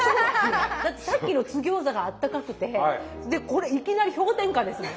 だってさっきの津ぎょうざがあったかくてでこれいきなり氷点下ですもん。